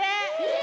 え！